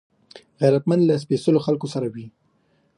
غیرتمند له سپېڅلو خلکو سره وي